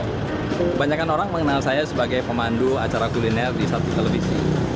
kebanyakan orang mengenal saya sebagai pemandu acara kuliner di satu televisi